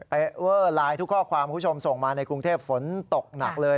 เวอร์ไลน์ทุกข้อความคุณผู้ชมส่งมาในกรุงเทพฝนตกหนักเลย